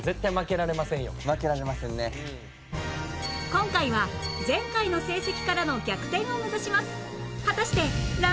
今回は前回の成績からの逆転を目指します